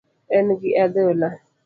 En gi adhola